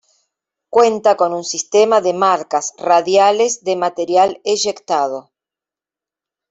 Cuenta con un sistema de marcas radiales de material eyectado.